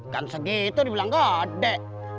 kan segitu dibilang gade